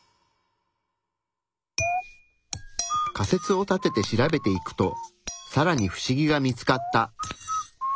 仮説を立てて調べていくとさらにフシギが見つかった。